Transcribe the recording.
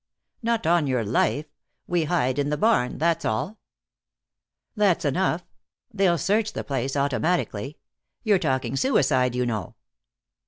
"Not on your life. We hide in the barn. That's all." "That's enough. They'll search the place, automatically. You're talking suicide, you know."